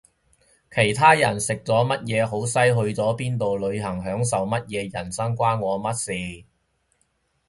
其他人食咗乜嘢好西去咗邊度旅行享受乜嘢人生關我乜事